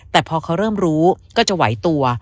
แต่พอเขาเริ่มรู้ก็จะไหวตัว